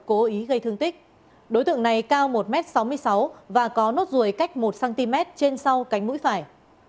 cố ý gây thương tích đối tượng này cao một m sáu mươi sáu và có nốt ruồi cách một cm trên sau cánh mũi phải